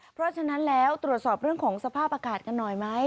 เพราะฉะนั้นแล้วตรวจสอบเรื่องของสภาพอากาศกันหน่อยไหม